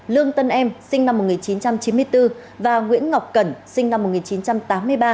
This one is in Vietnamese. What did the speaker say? lương tân em sinh năm một nghìn chín trăm chín mươi bốn và nguyễn ngọc cẩn sinh năm một nghìn chín trăm tám mươi ba